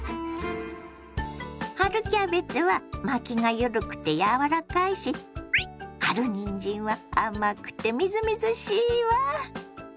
春キャベツは巻きが緩くて柔らかいし春にんじんは甘くてみずみずしいわ。